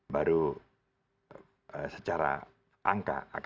baru secara angka akan berubah